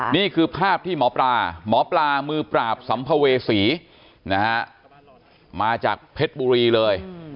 นี่คือภาพที่หมอปรามือปราบสัมพเวสีมาจากเพชรบุรีเลย